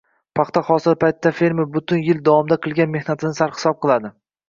Paxta hosili paytida fermer butun yil davomida qilgan mehnatini sarhisob qiladi.